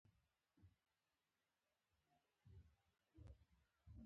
• مینه د ژور احساس نتیجه ده.